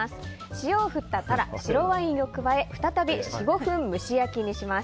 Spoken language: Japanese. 塩を振ったタラ、白ワインを加え再び４５分蒸し焼きにします。